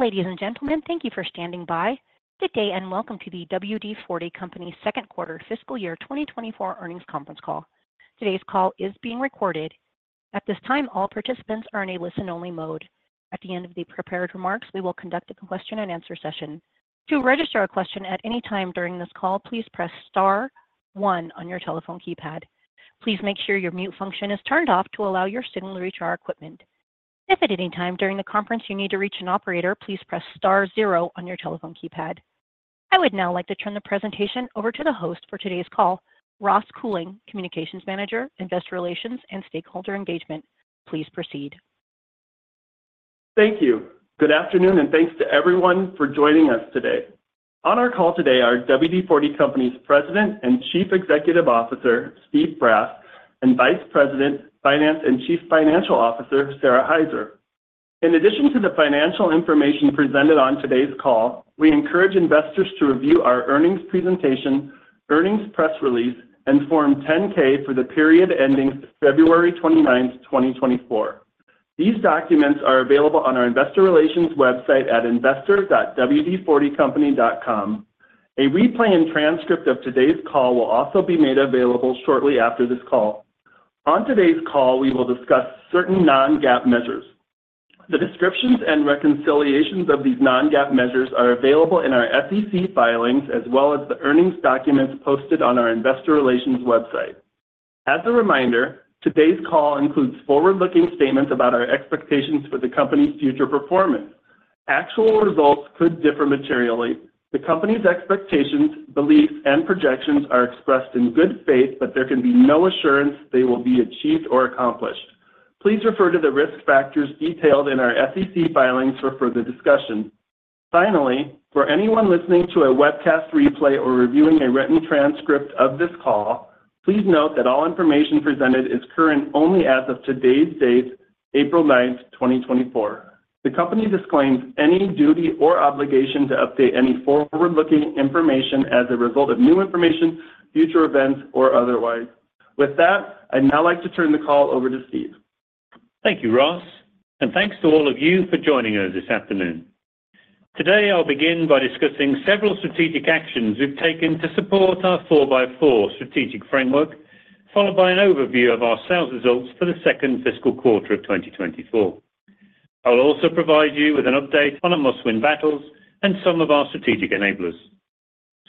Ladies and gentlemen, thank you for standing by. Good day and welcome to the WD-40 Company second quarter fiscal year 2024 earnings conference call. Today's call is being recorded. At this time, all participants are in a listen-only mode. At the end of the prepared remarks, we will conduct a question-and-answer session. To register a question at any time during this call, please press star one on your telephone keypad. Please make sure your mute function is turned off to allow your signal to reach our equipment. If at any time during the conference you need to reach an operator, please press star zero on your telephone keypad. I would now like to turn the presentation over to the host for today's call, Ross Cooling, Communications Manager, Investor Relations, and Stakeholder Engagement. Please proceed. Thank you. Good afternoon, and thanks to everyone for joining us today. On our call today are WD-40 Company's President and Chief Executive Officer, Steve Brass, and Vice President, Finance and Chief Financial Officer, Sara Hyzer. In addition to the financial information presented on today's call, we encourage investors to review our earnings presentation, earnings press release, and Form 10-K for the period ending February 29, 2024. These documents are available on our Investor Relations website at investor.wd40company.com. A replay and transcript of today's call will also be made available shortly after this call. On today's call, we will discuss certain non-GAAP measures. The descriptions and reconciliations of these non-GAAP measures are available in our SEC filings as well as the earnings documents posted on our Investor Relations website. As a reminder, today's call includes forward-looking statements about our expectations for the company's future performance. Actual results could differ materially. The company's expectations, beliefs, and projections are expressed in good faith, but there can be no assurance they will be achieved or accomplished. Please refer to the risk factors detailed in our SEC filings for further discussion. Finally, for anyone listening to a webcast replay or reviewing a written transcript of this call, please note that all information presented is current only as of today's date, April 9, 2024. The company disclaims any duty or obligation to update any forward-looking information as a result of new information, future events, or otherwise. With that, I'd now like to turn the call over to Steve. Thank you, Ross, and thanks to all of you for joining us this afternoon. Today, I'll begin by discussing several strategic actions we've taken to support our 4x4 Strategic Framework, followed by an overview of our sales results for the second fiscal quarter of 2024. I'll also provide you with an update on our Must-Win Battles and some of our strategic enablers.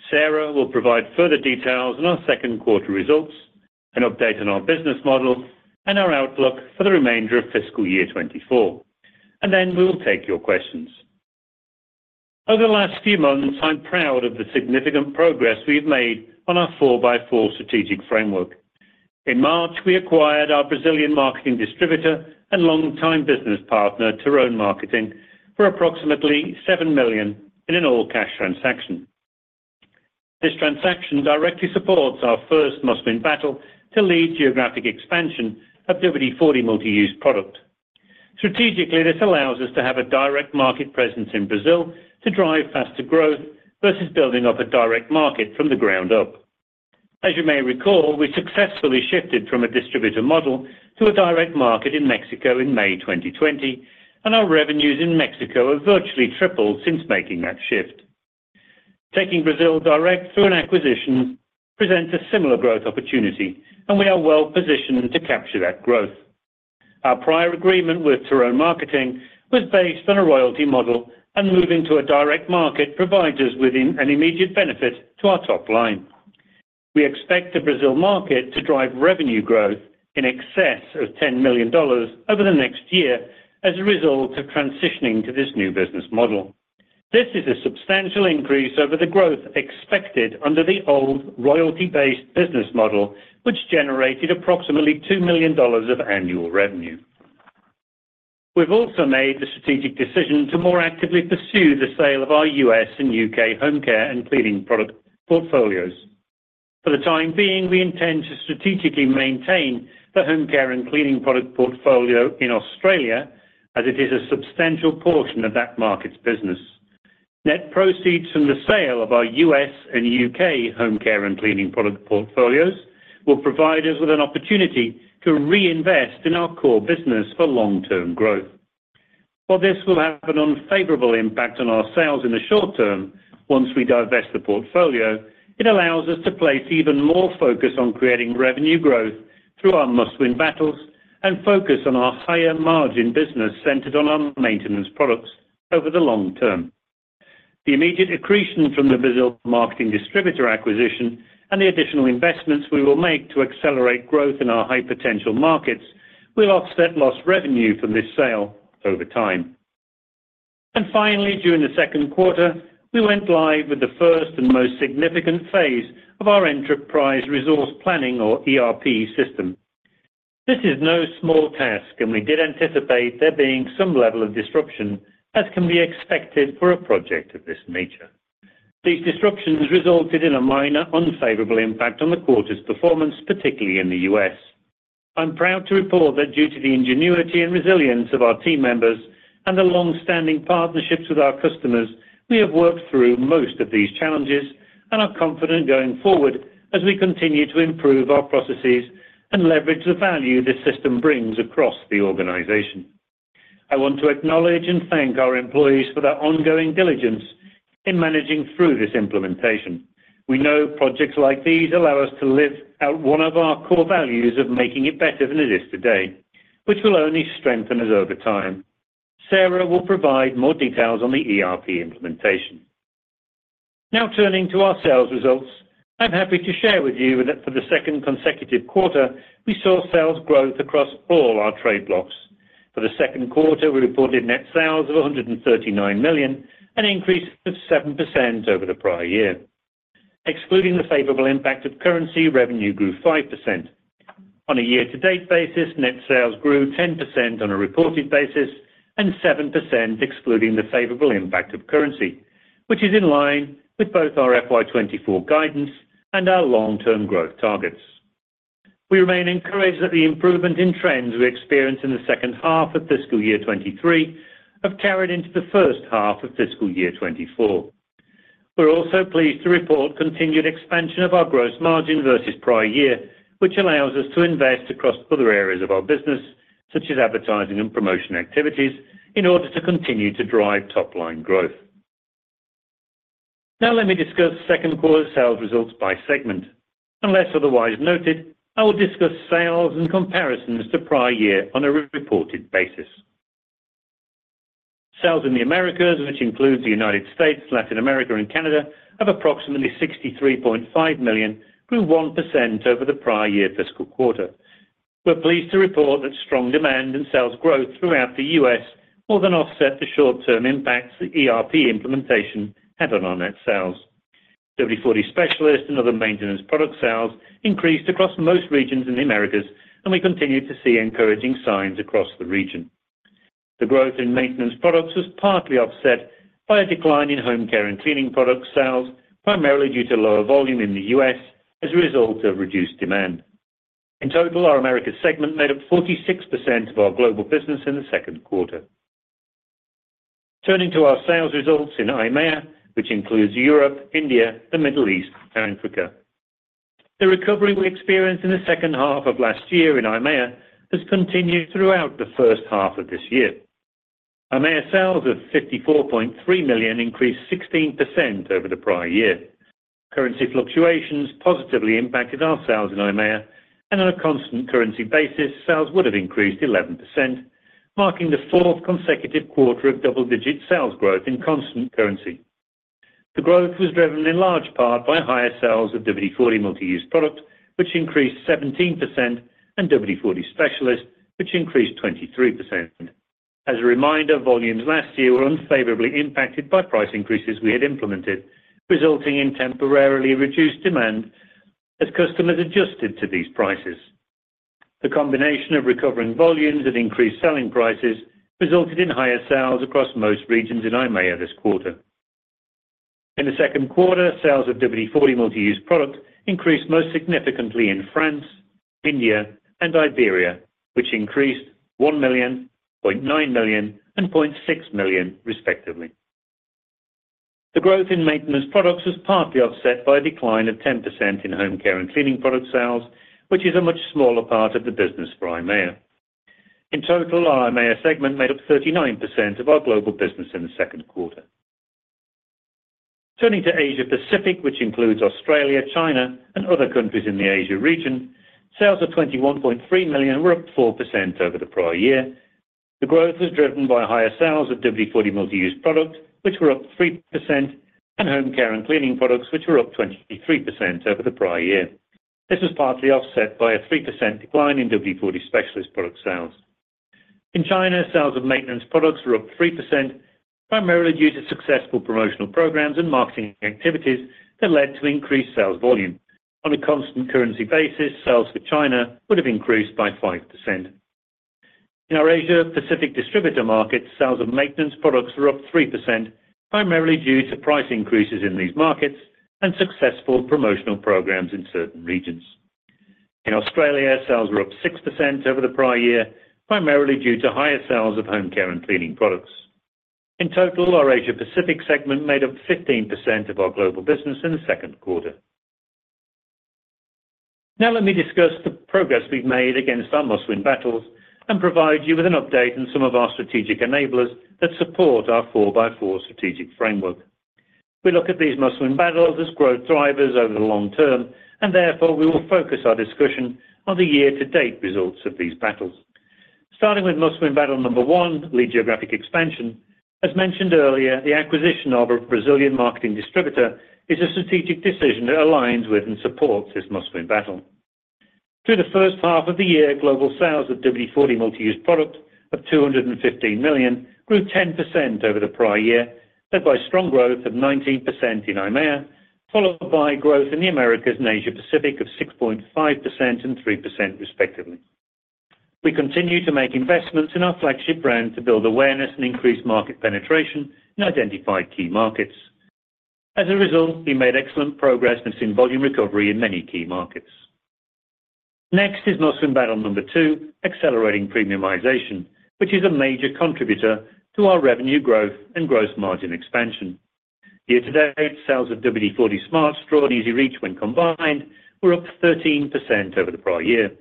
Sara will provide further details on our second quarter results, an update on our business model, and our outlook for the remainder of fiscal year 2024. And then we will take your questions. Over the last few months, I'm proud of the significant progress we've made on our 4x4 Strategic Framework. In March, we acquired our Brazilian marketing distributor and longtime business partner, Theron Marketing, for approximately $7 million in an all-cash transaction. This transaction directly supports our first Must-Win Battle to lead geographic expansion of WD-40 Multi-Use Product. Strategically, this allows us to have a direct market presence in Brazil to drive faster growth versus building up a direct market from the ground up. As you may recall, we successfully shifted from a distributor model to a direct market in Mexico in May 2020, and our revenues in Mexico have virtually tripled since making that shift. Taking Brazil direct through an acquisition presents a similar growth opportunity, and we are well positioned to capture that growth. Our prior agreement with Theron Marketing was based on a royalty model, and moving to a direct market provides us with an immediate benefit to our top line. We expect the Brazil market to drive revenue growth in excess of $10 million over the next year as a result of transitioning to this new business model. This is a substantial increase over the growth expected under the old royalty-based business model, which generated approximately $2 million of annual revenue. We've also made the strategic decision to more actively pursue the sale of our U.S. and U.K. home care and cleaning product portfolios. For the time being, we intend to strategically maintain the home care and cleaning product portfolio in Australia as it is a substantial portion of that market's business. Net proceeds from the sale of our U.S. and U.K. home care and cleaning product portfolios will provide us with an opportunity to reinvest in our core business for long-term growth. While this will have an unfavorable impact on our sales in the short term once we divest the portfolio, it allows us to place even more focus on creating revenue growth through our must-win battles and focus on our higher margin business centered on our maintenance products over the long term. The immediate accretion from the Brazil marketing distributor acquisition and the additional investments we will make to accelerate growth in our high-potential markets will offset lost revenue from this sale over time. Finally, during the second quarter, we went live with the first and most significant phase of our enterprise resource planning, or ERP, system. This is no small task, and we did anticipate there being some level of disruption as can be expected for a project of this nature. These disruptions resulted in a minor unfavorable impact on the quarter's performance, particularly in the U.S. I'm proud to report that due to the ingenuity and resilience of our team members and the longstanding partnerships with our customers, we have worked through most of these challenges and are confident going forward as we continue to improve our processes and leverage the value this system brings across the organization. I want to acknowledge and thank our employees for their ongoing diligence in managing through this implementation. We know projects like these allow us to live out one of our core values of making it better than it is today, which will only strengthen us over time. Sara will provide more details on the ERP implementation. Now turning to our sales results, I'm happy to share with you that for the second consecutive quarter, we saw sales growth across all our trade blocks. For the second quarter, we reported net sales of $139 million and an increase of 7% over the prior year. Excluding the favorable impact of currency, revenue grew 5%. On a year-to-date basis, net sales grew 10% on a reported basis and 7% excluding the favorable impact of currency, which is in line with both our FY24 guidance and our long-term growth targets. We remain encouraged that the improvement in trends we experienced in the second half of fiscal year 2023 have carried into the first half of fiscal year 2024. We're also pleased to report continued expansion of our gross margin versus prior year, which allows us to invest across other areas of our business, such as advertising and promotion activities, in order to continue to drive top-line growth. Now let me discuss second quarter sales results by segment. Unless otherwise noted, I will discuss sales and comparisons to prior year on a reported basis. Sales in the Americas, which includes the United States, Latin America, and Canada, of approximately $63.5 million grew 1% over the prior year fiscal quarter. We're pleased to report that strong demand and sales growth throughout the US more than offset the short-term impacts the ERP implementation had on our net sales. WD-40 Specialist and other maintenance product sales increased across most regions in the Americas, and we continue to see encouraging signs across the region. The growth in maintenance products was partly offset by a decline in home care and cleaning product sales, primarily due to lower volume in the US as a result of reduced demand. In total, our Americas segment made up 46% of our global business in the second quarter. Turning to our sales results in IMEA, which includes Europe, India, the Middle East, and Africa. The recovery we experienced in the second half of last year in IMEA has continued throughout the first half of this year. IMEA sales of $54.3 million increased 16% over the prior year. Currency fluctuations positively impacted our sales in IMEA, and on a Constant Currency basis, sales would have increased 11%, marking the fourth consecutive quarter of double-digit sales growth in Constant Currency. The growth was driven in large part by higher sales of WD-40 Multi-Use Product, which increased 17%, and WD-40 Specialist, which increased 23%. As a reminder, volumes last year were unfavorably impacted by price increases we had implemented, resulting in temporarily reduced demand as customers adjusted to these prices. The combination of recovering volumes and increased selling prices resulted in higher sales across most regions in IMEA this quarter. In the second quarter, sales of WD-40 Multi-Use Product increased most significantly in France, India, and Iberia, which increased $1 million, $0.9 million, and $0.6 million, respectively. The growth in maintenance products was partly offset by a decline of 10% in home care and cleaning product sales, which is a much smaller part of the business for IMEA. In total, our IMEA segment made up 39% of our global business in the second quarter. Turning to Asia Pacific, which includes Australia, China, and other countries in the Asia region, sales of $21.3 million were up 4% over the prior year. The growth was driven by higher sales of WD-40 Multi-Use Product, which were up 3%, and home care and cleaning products, which were up 23% over the prior year. This was partly offset by a 3% decline in WD-40 Specialist product sales. In China, sales of maintenance products were up 3%, primarily due to successful promotional programs and marketing activities that led to increased sales volume. On a Constant Currency basis, sales for China would have increased by 5%. In our Asia Pacific distributor markets, sales of maintenance products were up 3%, primarily due to price increases in these markets and successful promotional programs in certain regions. In Australia, sales were up 6% over the prior year, primarily due to higher sales of home care and cleaning products. In total, our Asia Pacific segment made up 15% of our global business in the second quarter. Now let me discuss the progress we've made against our Must-Win Battles and provide you with an update on some of our strategic enablers that support our 4x4 Strategic Framework. We look at these must-win battles as growth drivers over the long term, and therefore, we will focus our discussion on the year-to-date results of these battles. Starting with must-win battle number 1, lead geographic expansion. As mentioned earlier, the acquisition of a Brazilian marketing distributor is a strategic decision that aligns with and supports this must-win battle. Through the first half of the year, global sales of WD-40 Multi-Use Product of $215 million grew 10% over the prior year, led by strong growth of 19% in IMEA, followed by growth in the Americas and Asia Pacific of 6.5% and 3%, respectively. We continue to make investments in our flagship brand to build awareness and increase market penetration in identified key markets. As a result, we made excellent progress in volume recovery in many key markets. Next is must-win battle number 2, accelerating premiumization, which is a major contributor to our revenue growth and gross margin expansion. Year-to-date, sales of WD-40 Smart Straw and EZ-REACH when combined were up 13% over the prior year.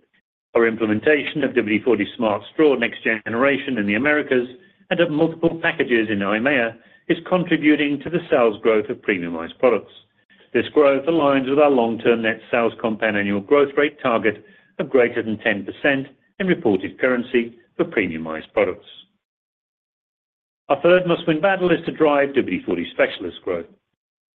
Our implementation of WD-40 Smart Straw next generation in the Americas and of multiple packages in IMEA is contributing to the sales growth of premiumized products. This growth aligns with our long-term net sales compound growth rate target of greater than 10% in reported currency for premiumized products. Our third must-win battle is to drive WD-40 Specialist growth.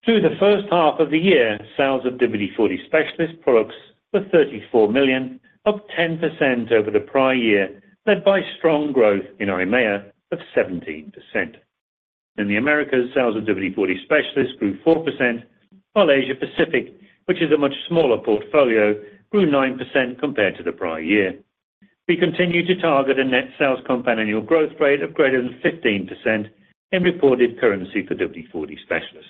Through the first half of the year, sales of WD-40 Specialist products were $34 million, up 10% over the prior year, led by strong growth in IMEA of 17%. In the Americas, sales of WD-40 Specialist grew 4%, while Asia Pacific, which is a much smaller portfolio, grew 9% compared to the prior year. We continue to target a net sales compound growth rate of greater than 15% in reported currency for WD-40 Specialist.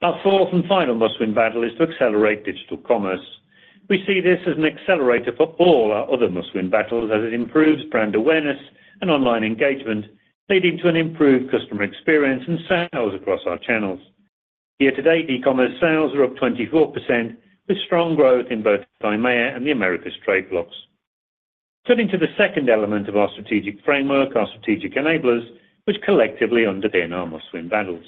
Our fourth and final Must-Win Battle is to accelerate digital commerce. We see this as an accelerator for all our other must-win battles as it improves brand awareness and online engagement, leading to an improved customer experience and sales across our channels. Year-to-date, e-commerce sales are up 24% with strong growth in both IMEA and the Americas trade blocks. Turning to the second element of our strategic framework, our strategic enablers, which collectively underpin our Must-Win Battles.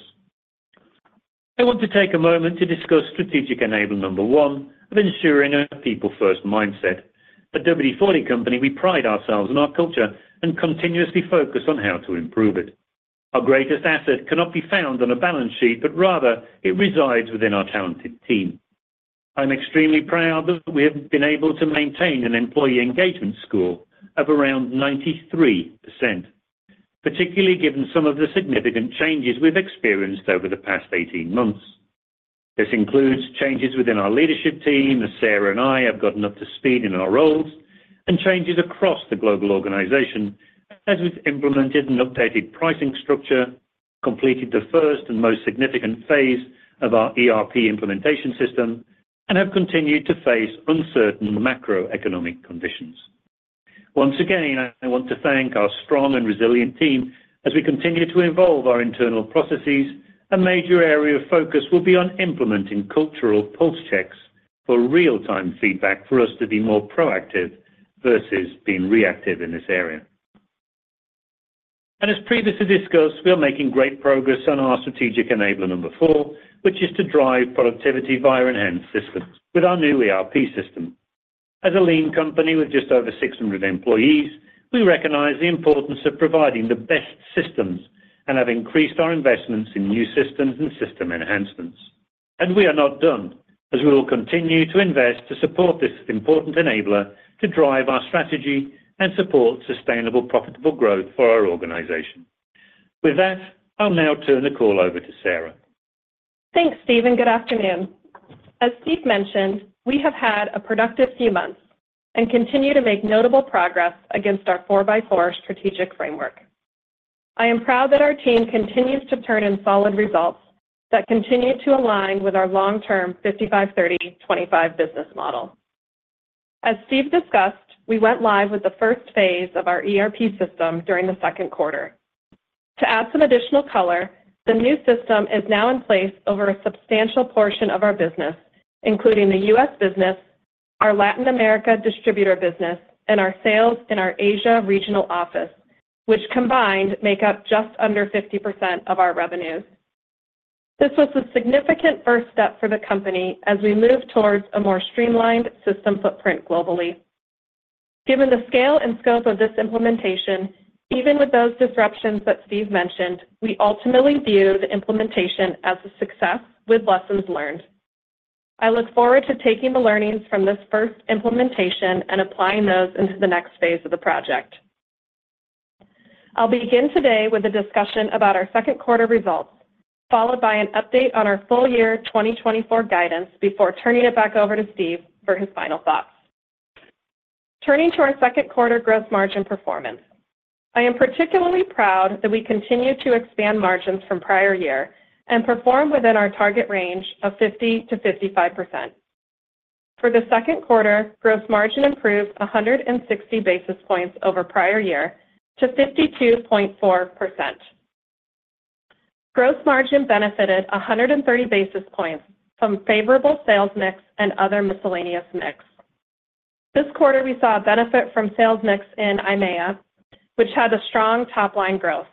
I want to take a moment to discuss strategic enabler number one, of ensuring a people-first mindset. At WD-40 Company, we pride ourselves on our culture and continuously focus on how to improve it. Our greatest asset cannot be found on a balance sheet, but rather, it resides within our talented team. I'm extremely proud that we have been able to maintain an employee engagement score of around 93%, particularly given some of the significant changes we've experienced over the past 18 months. This includes changes within our leadership team as Sara and I have gotten up to speed in our roles and changes across the global organization as we've implemented an updated pricing structure, completed the first and most significant phase of our ERP implementation system, and have continued to face uncertain macroeconomic conditions. Once again, I want to thank our strong and resilient team as we continue to evolve our internal processes. A major area of focus will be on implementing cultural pulse checks for real-time feedback for us to be more proactive versus being reactive in this area. As previously discussed, we are making great progress on our strategic enabler number four, which is to drive productivity via enhanced systems with our new ERP system. As a lean company with just over 600 employees, we recognize the importance of providing the best systems and have increased our investments in new systems and system enhancements. We are not done, as we will continue to invest to support this important enabler to drive our strategy and support sustainable, profitable growth for our organization. With that, I'll now turn the call over to Sara. Thanks, Steve. Good afternoon. As Steve mentioned, we have had a productive few months and continue to make notable progress against our 4x4 Strategic Framework. I am proud that our team continues to turn in solid results that continue to align with our long-term 55-30-25 business model. As Steve discussed, we went live with the first phase of our ERP system during the second quarter. To add some additional color, the new system is now in place over a substantial portion of our business, including the U.S. business, our Latin America distributor business, and our sales in our Asia regional office, which combined make up just under 50% of our revenues. This was a significant first step for the company as we move towards a more streamlined system footprint globally. Given the scale and scope of this implementation, even with those disruptions that Steve mentioned, we ultimately view the implementation as a success with lessons learned. I look forward to taking the learnings from this first implementation and applying those into the next phase of the project. I'll begin today with a discussion about our second quarter results, followed by an update on our full year 2024 guidance before turning it back over to Steve for his final thoughts. Turning to our second quarter gross margin performance. I am particularly proud that we continue to expand margins from prior year and perform within our target range of 50%-55%. For the second quarter, gross margin improved 160 basis points over prior year to 52.4%. Gross margin benefited 130 basis points from favorable sales mix and other miscellaneous mix. This quarter, we saw a benefit from sales mix in IMEA, which had a strong top-line growth.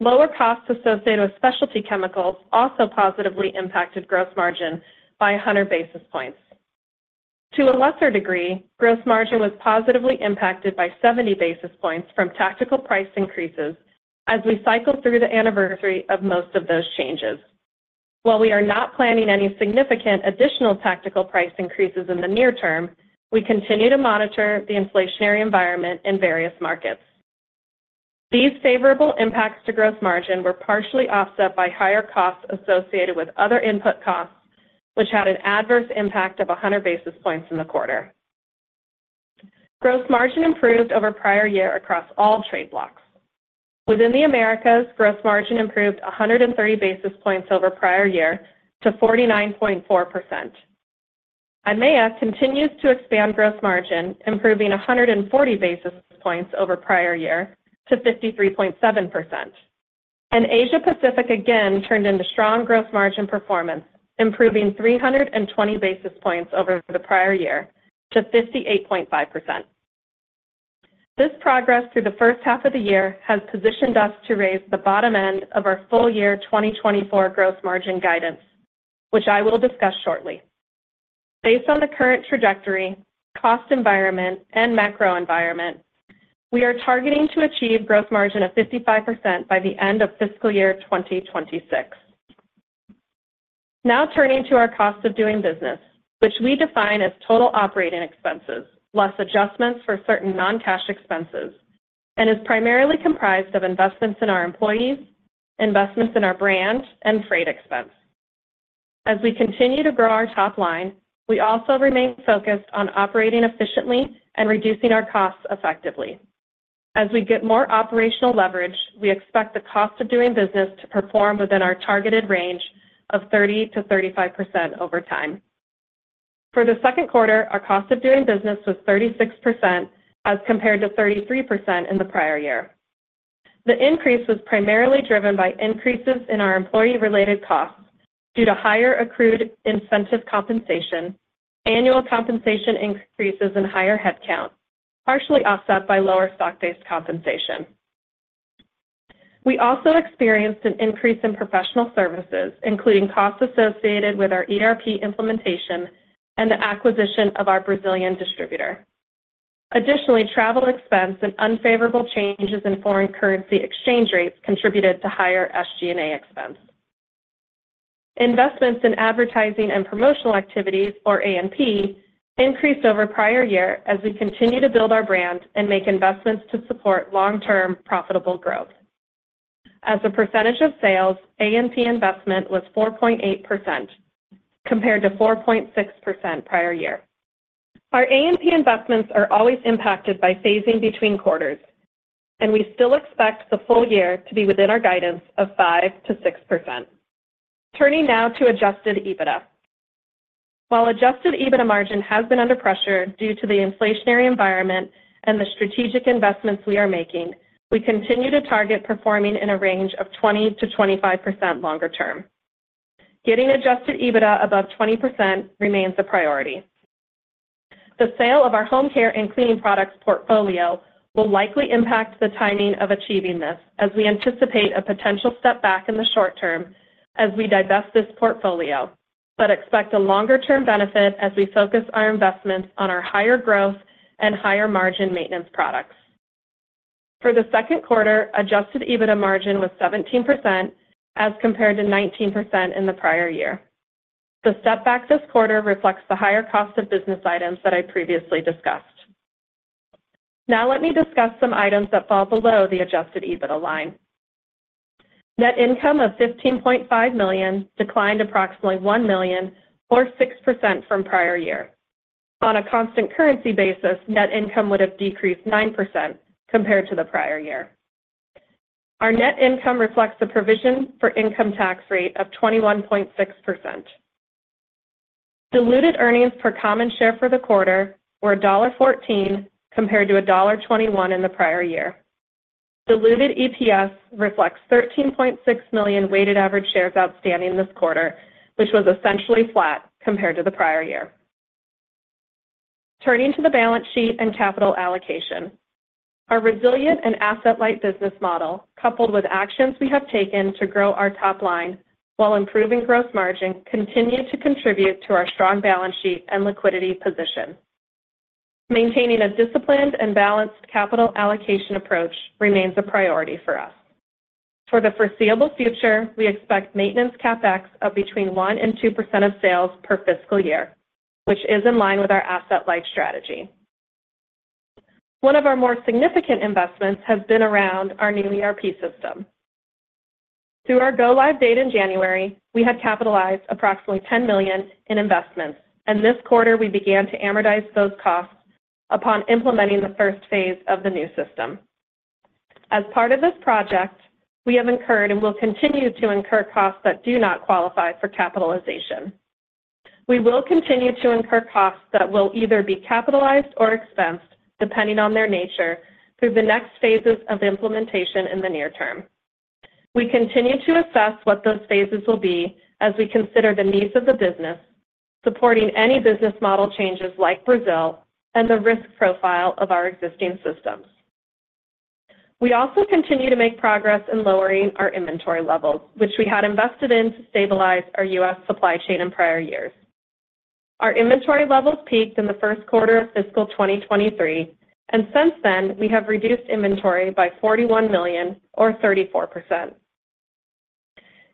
Lower costs associated with specialty chemicals also positively impacted gross margin by 100 basis points. To a lesser degree, gross margin was positively impacted by 70 basis points from tactical price increases as we cycle through the anniversary of most of those changes. While we are not planning any significant additional tactical price increases in the near term, we continue to monitor the inflationary environment in various markets. These favorable impacts to gross margin were partially offset by higher costs associated with other input costs, which had an adverse impact of 100 basis points in the quarter. Gross margin improved over prior year across all trade blocks. Within the Americas, gross margin improved 130 basis points over prior year to 49.4%. IMEA continues to expand gross margin, improving 140 basis points over prior year to 53.7%. Asia Pacific again turned into strong gross margin performance, improving 320 basis points over the prior year to 58.5%. This progress through the first half of the year has positioned us to raise the bottom end of our full year 2024 gross margin guidance, which I will discuss shortly. Based on the current trajectory, cost environment, and macro environment, we are targeting to achieve gross margin of 55% by the end of fiscal year 2026. Now turning to our cost of doing business, which we define as total operating expenses less adjustments for certain non-cash expenses, and is primarily comprised of investments in our employees, investments in our brand, and freight expense. As we continue to grow our top line, we also remain focused on operating efficiently and reducing our costs effectively. As we get more operational leverage, we expect the cost of doing business to perform within our targeted range of 30%-35% over time. For the second quarter, our cost of doing business was 36% as compared to 33% in the prior year. The increase was primarily driven by increases in our employee-related costs due to higher accrued incentive compensation, annual compensation increases, and higher headcount, partially offset by lower stock-based compensation. We also experienced an increase in professional services, including costs associated with our ERP implementation and the acquisition of our Brazilian distributor. Additionally, travel expense and unfavorable changes in foreign currency exchange rates contributed to higher SG&A expense. Investments in advertising and promotional activities, or A&P, increased over prior year as we continue to build our brand and make investments to support long-term profitable growth. As a percentage of sales, A&P investment was 4.8% compared to 4.6% prior year. Our A&P investments are always impacted by phasing between quarters, and we still expect the full year to be within our guidance of 5%-6%. Turning now to adjusted EBITDA. While adjusted EBITDA margin has been under pressure due to the inflationary environment and the strategic investments we are making, we continue to target performing in a range of 20%-25% longer term. Getting adjusted EBITDA above 20% remains a priority. The sale of our home care and cleaning products portfolio will likely impact the timing of achieving this as we anticipate a potential step back in the short term as we divest this portfolio, but expect a longer-term benefit as we focus our investments on our higher growth and higher margin maintenance products. For the second quarter, Adjusted EBITDA margin was 17% as compared to 19% in the prior year. The step back this quarter reflects the higher cost of business items that I previously discussed. Now let me discuss some items that fall below the Adjusted EBITDA line. Net income of $15.5 million declined approximately $1 million, or 6%, from prior year. On a Constant Currency basis, net income would have decreased 9% compared to the prior year. Our net income reflects the provision for income tax rate of 21.6%. Diluted earnings per common share for the quarter were $1.14 compared to $1.21 in the prior year. Diluted EPS reflects 13.6 million weighted average shares outstanding this quarter, which was essentially flat compared to the prior year. Turning to the balance sheet and capital allocation. Our resilient and asset-light business model, coupled with actions we have taken to grow our top line while improving gross margin, continue to contribute to our strong balance sheet and liquidity position. Maintaining a disciplined and balanced capital allocation approach remains a priority for us. For the foreseeable future, we expect maintenance CapEx of between 1%-2% of sales per fiscal year, which is in line with our asset-light strategy. One of our more significant investments has been around our new ERP system. Through our go-live date in January, we had capitalized approximately $10 million in investments, and this quarter, we began to amortize those costs upon implementing the first phase of the new system. As part of this project, we have incurred and will continue to incur costs that do not qualify for capitalization. We will continue to incur costs that will either be capitalized or expensed, depending on their nature, through the next phases of implementation in the near term. We continue to assess what those phases will be as we consider the needs of the business, supporting any business model changes like Brazil, and the risk profile of our existing systems. We also continue to make progress in lowering our inventory levels, which we had invested in to stabilize our U.S. supply chain in prior years. Our inventory levels peaked in the first quarter of fiscal 2023, and since then, we have reduced inventory by $41 million, or 34%.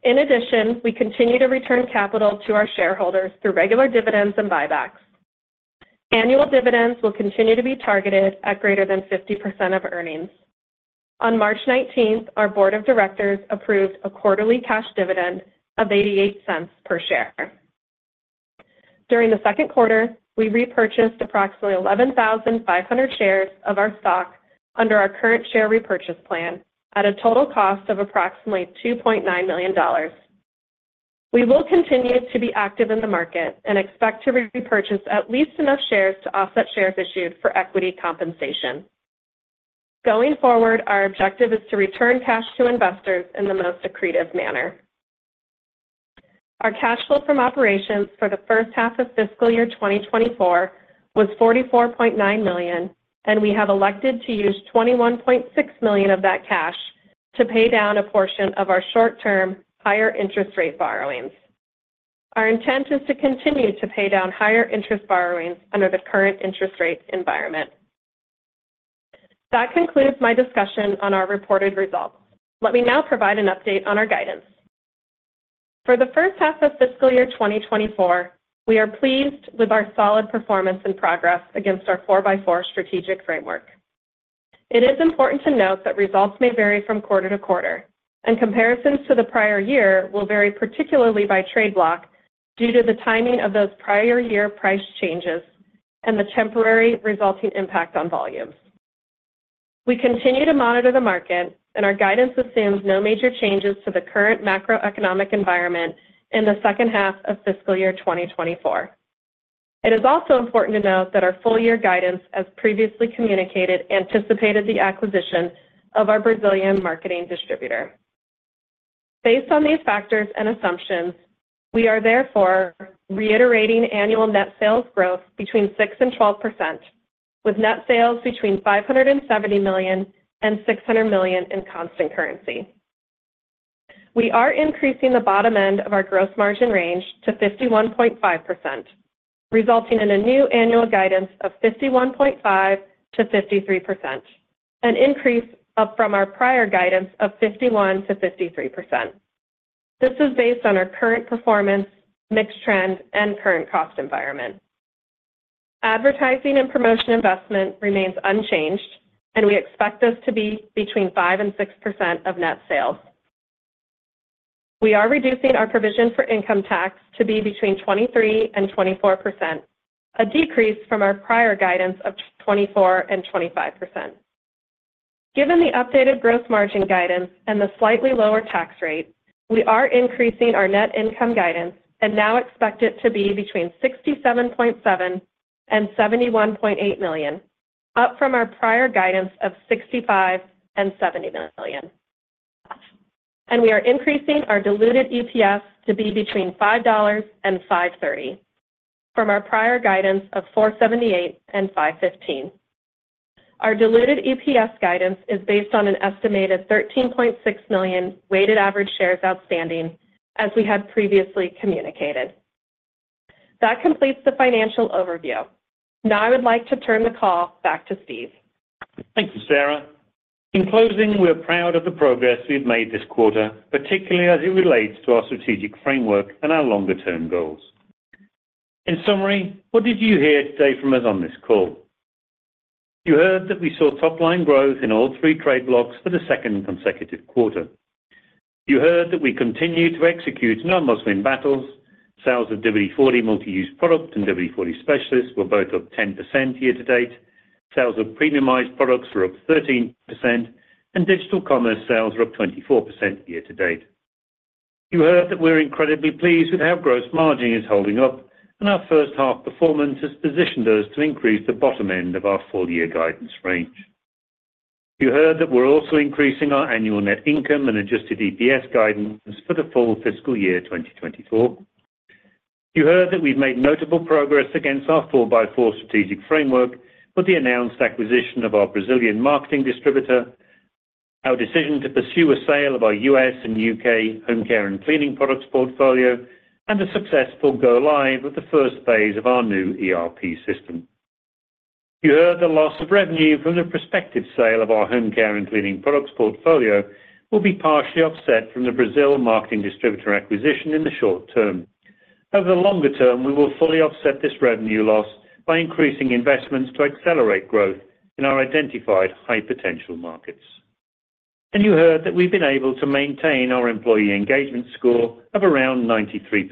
In addition, we continue to return capital to our shareholders through regular dividends and buybacks. Annual dividends will continue to be targeted at greater than 50% of earnings. On March 19th, our board of directors approved a quarterly cash dividend of $0.88 per share. During the second quarter, we repurchased approximately 11,500 shares of our stock under our current share repurchase plan at a total cost of approximately $2.9 million. We will continue to be active in the market and expect to repurchase at least enough shares to offset shares issued for equity compensation. Going forward, our objective is to return cash to investors in the most accretive manner. Our cash flow from operations for the first half of fiscal year 2024 was $44.9 million, and we have elected to use $21.6 million of that cash to pay down a portion of our short-term higher interest rate borrowings. Our intent is to continue to pay down higher interest borrowings under the current interest rate environment. That concludes my discussion on our reported results. Let me now provide an update on our guidance. For the first half of fiscal year 2024, we are pleased with our solid performance and progress against our 4x4 Strategic Framework. It is important to note that results may vary from quarter to quarter, and comparisons to the prior year will vary particularly by trade block due to the timing of those prior year price changes and the temporary resulting impact on volumes. We continue to monitor the market, and our guidance assumes no major changes to the current macroeconomic environment in the second half of fiscal year 2024. It is also important to note that our full year guidance, as previously communicated, anticipated the acquisition of our Brazilian marketing distributor. Based on these factors and assumptions, we are therefore reiterating annual net sales growth between 6%-12%, with net sales between $570 million-$600 million in Constant Currency. We are increasing the bottom end of our gross margin range to 51.5%, resulting in a new annual guidance of 51.5%-53%, an increase from our prior guidance of 51%-53%. This is based on our current performance, mixed trend, and current cost environment. Advertising and promotion investment remains unchanged, and we expect this to be between 5%-6% of net sales. We are reducing our provision for income tax to be between 23%-24%, a decrease from our prior guidance of 24%-25%. Given the updated gross margin guidance and the slightly lower tax rate, we are increasing our net income guidance and now expect it to be between $67.7 million-$71.8 million, up from our prior guidance of $65 million-$70 million. We are increasing our diluted EPS to be between $5.00-$5.30 from our prior guidance of $4.78-$5.15. Our diluted EPS guidance is based on an estimated 13.6 million weighted average shares outstanding, as we had previously communicated. That completes the financial overview. Now I would like to turn the call back to Steve. Thank you, Sara. In closing, we're proud of the progress we've made this quarter, particularly as it relates to our strategic framework and our longer-term goals. In summary, what did you hear today from us on this call? You heard that we saw top-line growth in all three trade blocks for the second consecutive quarter. You heard that we continue to execute must-win battles. Sales of WD-40 Multi-Use Product and WD-40 Specialist were both up 10% year to date. Sales of premiumized products were up 13%, and digital commerce sales were up 24% year to date. You heard that we're incredibly pleased with how gross margin is holding up, and our first half performance has positioned us to increase the bottom end of our full year guidance range. You heard that we're also increasing our annual net income and Adjusted EPS guidance for the full fiscal year 2024. You heard that we've made notable progress against our 4x4 Strategic Framework with the announced acquisition of our Brazilian marketing distributor, our decision to pursue a sale of our U.S. and U.K. home care and cleaning products portfolio, and the successful go-live of the first phase of our new ERP system. You heard the loss of revenue from the prospective sale of our home care and cleaning products portfolio will be partially offset from the Brazil marketing distributor acquisition in the short term. Over the longer term, we will fully offset this revenue loss by increasing investments to accelerate growth in our identified high potential markets. And you heard that we've been able to maintain our employee engagement score of around 93%,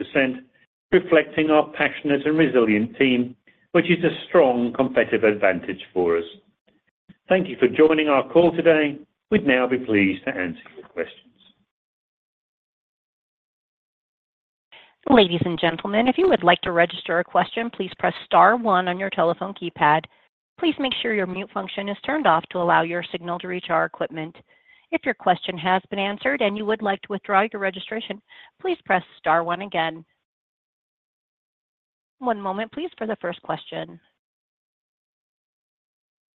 reflecting our passionate and resilient team, which is a strong competitive advantage for us. Thank you for joining our call today. We'd now be pleased to answer your questions. Ladies and gentlemen, if you would like to register a question, please press star one on your telephone keypad. Please make sure your mute function is turned off to allow your signal to reach our equipment. If your question has been answered and you would like to withdraw your registration, please press star one again. One moment, please, for the first question.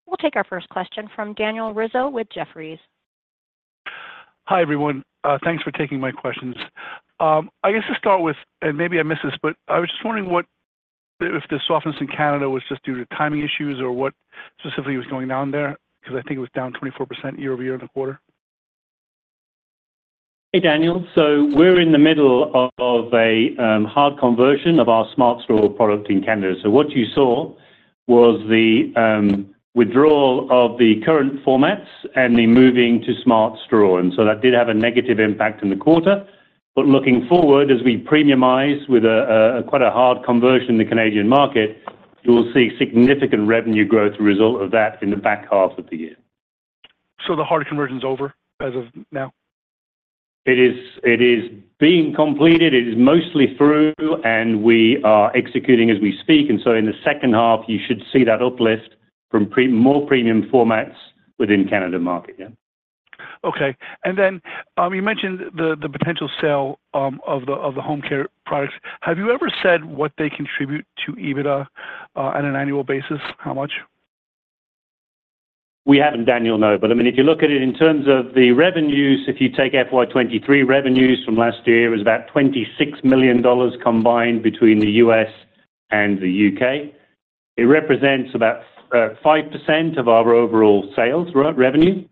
We'll take our first question from Daniel Rizzo with Jefferies. Hi everyone. Thanks for taking my questions. I guess to start with, and maybe I missed this, but I was just wondering if the softness in Canada was just due to timing issues or what specifically was going on there because I think it was down 24% year-over-year in the quarter? Hey Daniel. So we're in the middle of a hard conversion of our Smart Straw product in Canada. So what you saw was the withdrawal of the current formats and the moving to Smart Straw. And so that did have a negative impact in the quarter. But looking forward, as we premiumize with quite a hard conversion in the Canadian market, you will see significant revenue growth as a result of that in the back half of the year. So the hard conversion's over as of now? It is being completed. It is mostly through, and we are executing as we speak. And so in the second half, you should see that uplift from more premium formats within Canada market, yeah. Okay. And then you mentioned the potential sale of the home care products. Have you ever said what they contribute to EBITDA on an annual basis, how much? We haven't, Daniel, no. But I mean, if you look at it in terms of the revenues, if you take FY23 revenues from last year, it was about $26 million combined between the U.S. and the U.K. It represents about 5% of our overall sales, right, revenue.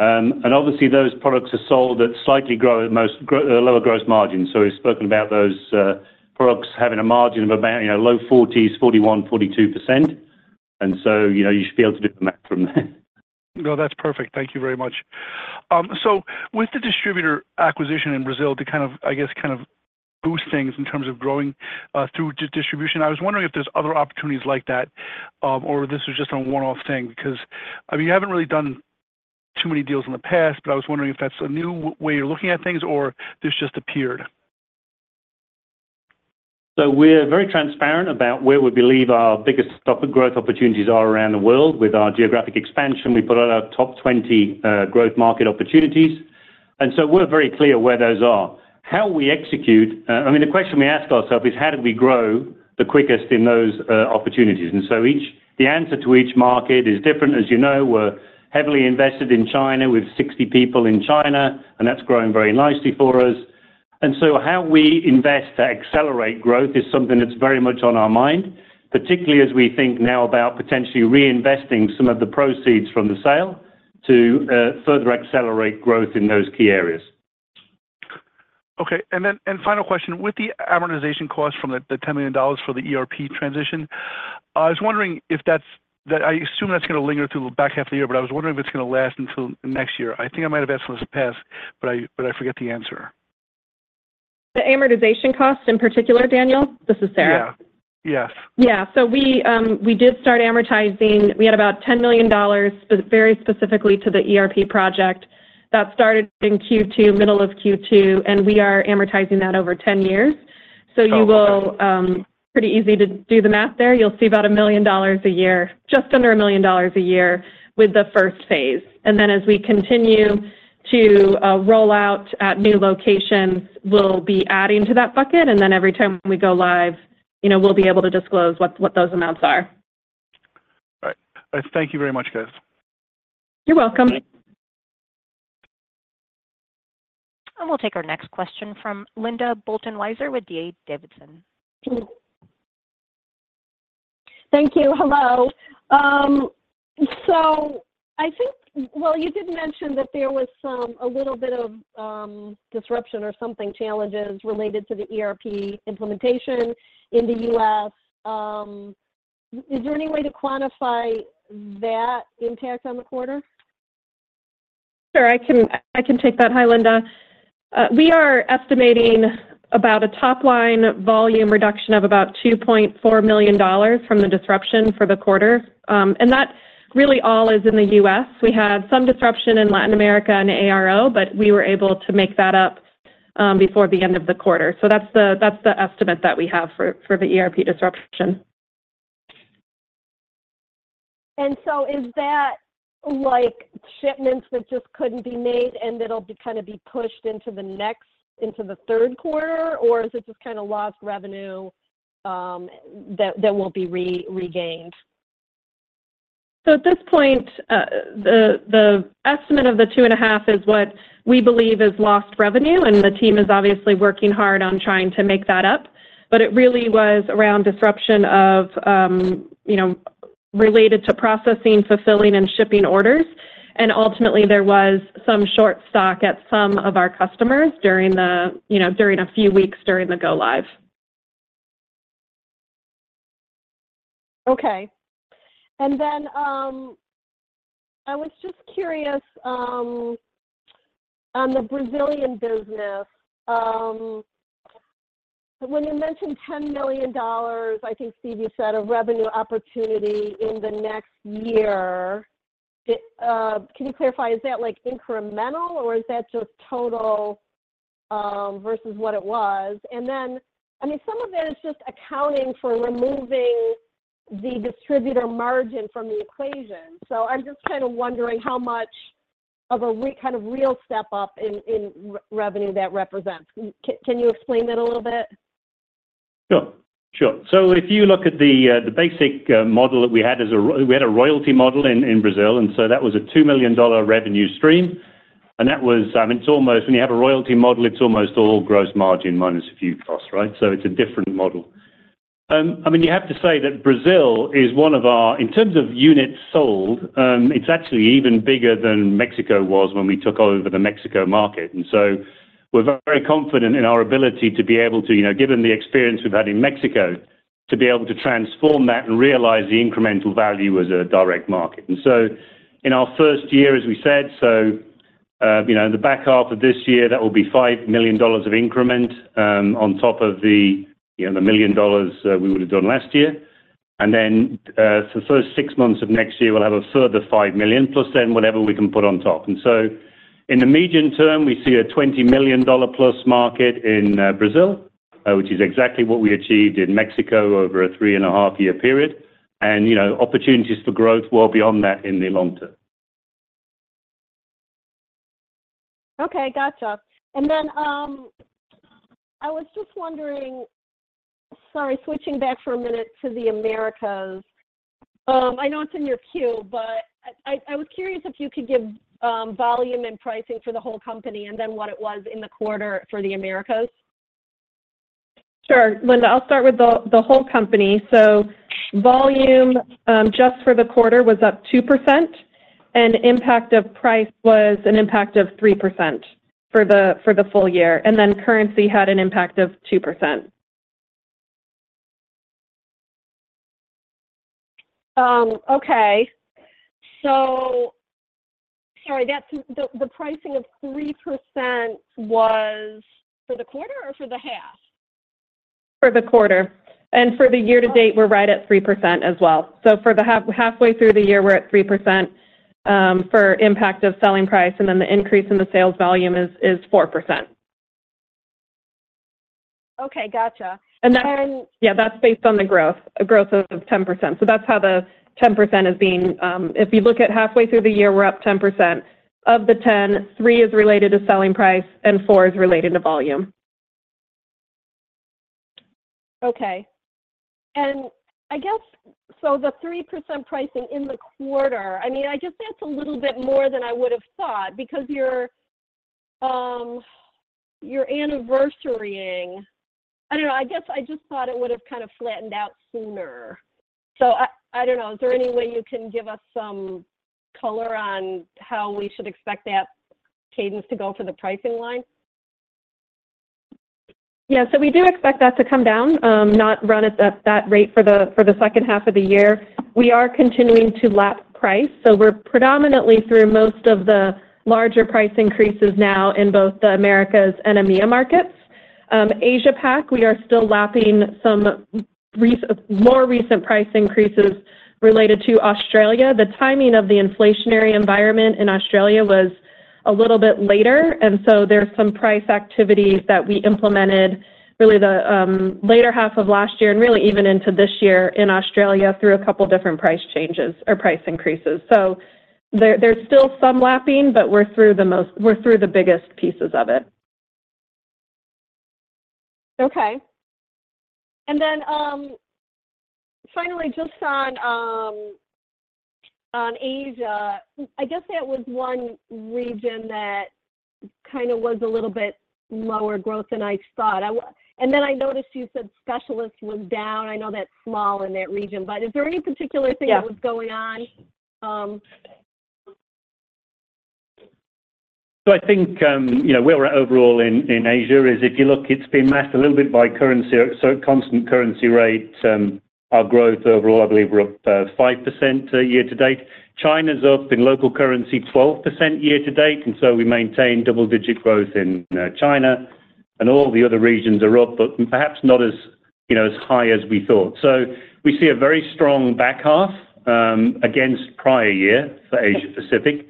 And obviously, those products are sold at slightly lower gross margins. So we've spoken about those products having a margin of about low 40s, 41, 42%. And so you should be able to do the math from there. No, that's perfect. Thank you very much. So with the distributor acquisition in Brazil to kind of, I guess, kind of boost things in terms of growing through distribution, I was wondering if there's other opportunities like that or this is just a one-off thing because, I mean, you haven't really done too many deals in the past, but I was wondering if that's a new way you're looking at things or this just appeared. So we're very transparent about where we believe our biggest growth opportunities are around the world. With our geographic expansion, we put out our top 20 growth market opportunities. And so we're very clear where those are. How we execute, I mean, the question we ask ourselves is, how did we grow the quickest in those opportunities? And so the answer to each market is different. As you know, we're heavily invested in China. We have 60 people in China, and that's growing very nicely for us. And so how we invest to accelerate growth is something that's very much on our mind, particularly as we think now about potentially reinvesting some of the proceeds from the sale to further accelerate growth in those key areas. Okay. And then final question. With the amortization costs from the $10 million for the ERP transition, I was wondering if that's, I assume that's going to linger through the back half of the year, but I was wondering if it's going to last until next year. I think I might have asked this in the past, but I forget the answer. The amortization costs in particular, Daniel? This is Sara. Yeah. Yes. Yeah. So we did start amortizing. We had about $10 million very specifically to the ERP project. That started in Q2, middle of Q2, and we are amortizing that over 10 years. So you will pretty easy to do the math there. You'll see about $1 million a year, just under $1 million a year with the first phase. And then as we continue to roll out at new locations, we'll be adding to that bucket. And then every time we go live, we'll be able to disclose what those amounts are. All right. All right. Thank you very much, guys. You're welcome. Thanks. We'll take our next question from Linda Bolton Weiser with D.A. Davidson. Thank you. Hello. So I think, well, you did mention that there was a little bit of disruption or something, challenges related to the ERP implementation in the U.S. Is there any way to quantify that impact on the quarter? Sure. I can take that. Hi, Linda. We are estimating about a top-line volume reduction of about $2.4 million from the disruption for the quarter. And that really all is in the U.S. We had some disruption in Latin America and ARO, but we were able to make that up before the end of the quarter. So that's the estimate that we have for the ERP disruption. And so is that shipments that just couldn't be made and it'll kind of be pushed into the third quarter, or is it just kind of lost revenue that will be regained? At this point, the estimate of the $2.5 is what we believe is lost revenue. The team is obviously working hard on trying to make that up. It really was around disruption related to processing, fulfilling, and shipping orders. Ultimately, there was some short stock at some of our customers during a few weeks during the go-live. Okay. And then I was just curious on the Brazilian business. When you mentioned $10 million, I think Steve you said a revenue opportunity in the next year. Can you clarify, is that incremental or is that just total versus what it was? And then, I mean, some of that is just accounting for removing the distributor margin from the equation. So I'm just kind of wondering how much of a kind of real step up in revenue that represents. Can you explain that a little bit? Sure. Sure. So if you look at the basic model that we had, we had a royalty model in Brazil, and so that was a $2 million revenue stream. And that was, I mean, it's almost when you have a royalty model, it's almost all gross margin minus a few costs, right? So it's a different model. I mean, you have to say that Brazil is one of our in terms of units sold, it's actually even bigger than Mexico was when we took over the Mexico market. And so we're very confident in our ability to be able to, given the experience we've had in Mexico, to be able to transform that and realize the incremental value as a direct market. In our first year, as we said, in the back half of this year, that will be $5 million of increment on top of the $1 million we would have done last year. Then for the first six months of next year, we'll have a further $5 million plus then whatever we can put on top. In the medium term, we see a $20 million plus market in Brazil, which is exactly what we achieved in Mexico over a 3.5-year period. Opportunities for growth well beyond that in the long term. Okay. Gotcha. And then I was just wondering, sorry, switching back for a minute to the Americas. I know it's in your queue, but I was curious if you could give volume and pricing for the whole company and then what it was in the quarter for the Americas. Sure, Linda. I'll start with the whole company. So volume just for the quarter was up 2%, and impact of price was an impact of 3% for the full year. And then currency had an impact of 2%. Okay. So sorry, the pricing of 3% was for the quarter or for the half? For the quarter. For the year to date, we're right at 3% as well. For the halfway through the year, we're at 3% for impact of selling price, and then the increase in the sales volume is 4%. Okay. Gotcha. Yeah, that's based on the growth, a growth of 10%. So that's how the 10% is being if you look at halfway through the year, we're up 10%. Of the 10, 3 is related to selling price and 4 is related to volume. Okay. And I guess so the 3% pricing in the quarter, I mean, I guess that's a little bit more than I would have thought because you're anniversarying. I don't know. I guess I just thought it would have kind of flattened out sooner. So I don't know. Is there any way you can give us some color on how we should expect that cadence to go for the pricing line? Yeah. So we do expect that to come down, not run at that rate for the second half of the year. We are continuing to lap price. So we're predominantly through most of the larger price increases now in both the Americas and IMEA markets. Asia-Pac, we are still lapping some more recent price increases related to Australia. The timing of the inflationary environment in Australia was a little bit later. And so there's some price activity that we implemented really the later half of last year and really even into this year in Australia through a couple of different price changes or price increases. So there's still some lapping, but we're through the biggest pieces of it. Okay. And then finally, just on Asia, I guess that was one region that kind of was a little bit lower growth than I thought. And then I noticed you said specialists was down. I know that's small in that region, but is there any particular thing that was going on? So I think where we're at overall in Asia is if you look, it's been matched a little bit by currency. So constant currency rate, our growth overall, I believe we're up 5% year to date. China's up in local currency 12% year to date. And so we maintain double-digit growth in China. And all the other regions are up, but perhaps not as high as we thought. So we see a very strong back half against prior year for Asia Pacific.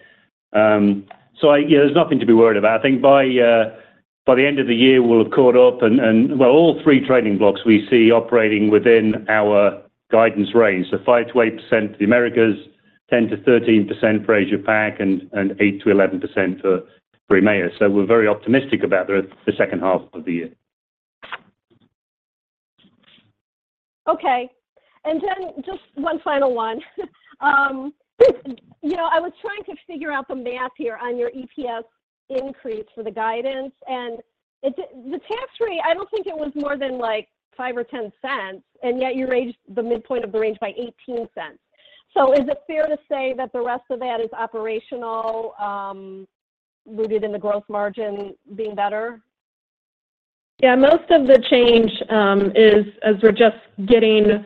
So there's nothing to be worried about. I think by the end of the year, we'll have caught up and well, all three trading blocks we see operating within our guidance range. So 5%-8% for the Americas, 10%-13% for Asia Pacific, and 8%-11% for IMEA. So we're very optimistic about the second half of the year. Okay. Then just one final one. I was trying to figure out the math here on your EPS increase for the guidance. And the tax rate, I don't think it was more than $0.05 or $0.10, and yet you raised the midpoint of the range by $0.18. So is it fair to say that the rest of that is operationally rooted in the growth margin being better? Yeah. Most of the change is as we're just getting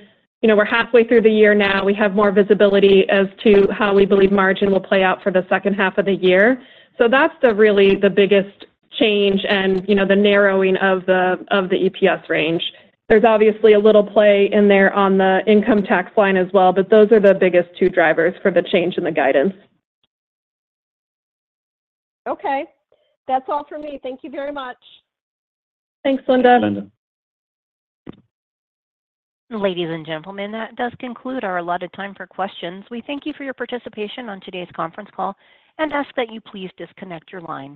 halfway through the year now. We have more visibility as to how we believe margin will play out for the second half of the year. So that's really the biggest change and the narrowing of the EPS range. There's obviously a little play in there on the income tax line as well, but those are the biggest two drivers for the change in the guidance. Okay. That's all for me. Thank you very much. Thanks, Linda. Thanks, Linda. Ladies and gentlemen, that does conclude our allotted time for questions. We thank you for your participation on today's conference call and ask that you please disconnect your line.